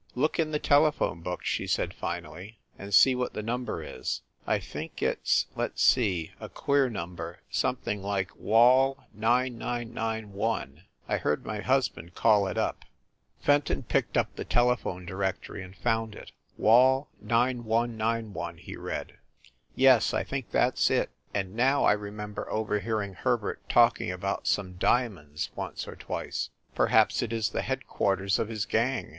"Look in the telephone book," she said finally, "and see what the number is. I think it s let s see a queer num ber something like Wall nine, nine, nine, one. I ve heard my husband call it up." 146 FIND THE WOMAN Fenton picked up the telephone directory and found it. "Wall nine, one, nine, one," he read. "Yes, I think that s it. And now I remember overhearing Herbert talking about some diamonds, once or twice." "Perhaps it is the headquarters of his gang.